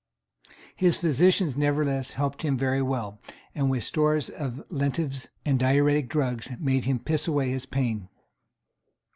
His physicians nevertheless helped him very well, and with store of lenitives and diuretic drugs made him piss away his pain.